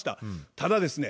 ただですね